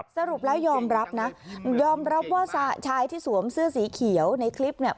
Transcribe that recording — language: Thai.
สรุปแล้วยอมรับนะยอมรับว่าชายที่สวมเสื้อสีเขียวในคลิปเนี่ย